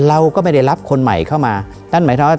เราก็ไม่ได้รับคนใหม่เข้ามานั่นหมายถึงว่า